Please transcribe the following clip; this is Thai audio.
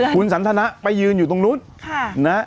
คุณสันทนะไปยืนอยู่ตรงนู้นนะฮะ